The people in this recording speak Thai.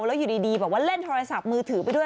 แล้วอยู่ดีบอกว่าเล่นโทรศัพท์มือถือไปด้วย